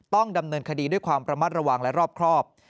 ต้องดำเนินคดีด้วยความระมัดระวังและรอบครอบ